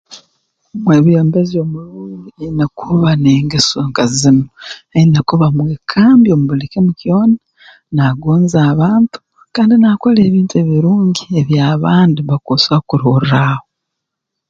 Omwebembezi omurungi aine kuba n'engeso nka zinu aine kuba mwekambi omu buli kimu kyona naagonza abantu kandi naakora ebintu ebirungi ebi abandi bakuso kurorraaho